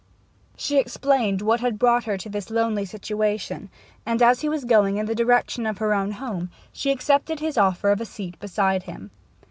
She explained what had brought her into this lonely situation; and, as he was going in the direction of her own home, she accepted his offer of a seat beside him.